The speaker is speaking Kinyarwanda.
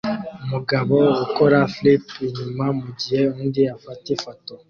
Umugabo ukora flip inyuma mugihe undi afata ifoto